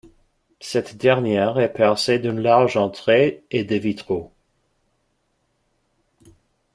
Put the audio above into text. Cette dernière est percée d'une large entrée et de vitraux.